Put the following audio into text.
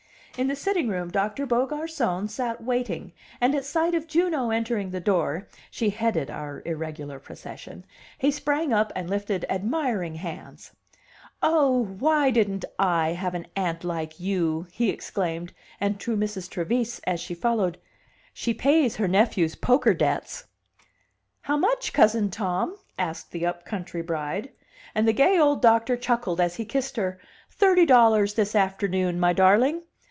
In the sitting room Doctor Beaugarcon sat waiting, and at sight of Juno entering the door (she headed our irregular procession) he sprang up and lifted admiring hands. "Oh, why didn't I have an aunt like you!" he exclaimed, and to Mrs. Trevise as she followed: "She pays her nephew's poker debts." "How much, cousin Tom?" asked the upcountry bride. And the gay old doctor chuckled, as he kissed her: "Thirty dollars this afternoon, my darling."